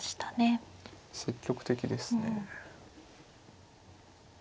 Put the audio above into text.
積極的ですね。